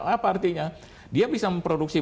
apa artinya dia bisa memproduksi